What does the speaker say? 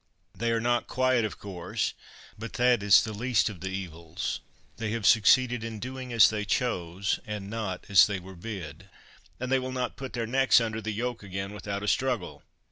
They are not quiet, of course ; but that is the least of the evils ; they have succeeded in doing as they chose and not as they were bid, and they will not put their necks under the yoke again without a struggle.